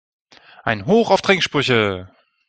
Ein Hoch auf Trinksprüche!